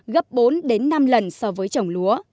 gấp bốn đến năm lần so với trồng lúa